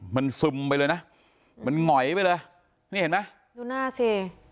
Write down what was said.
มันซึมไปเลยนะมันหงอยไปเลยนี่เห็นไหมดูหน้าสิ